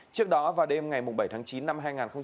trước đó vào đêm ngày bảy tháng chín năm hai nghìn hai mươi ba